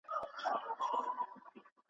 هغه کابل د ښو زلمیو وطن.